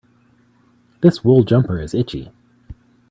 This wool jumper is itchy.